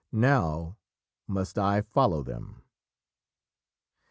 Now must I follow them!"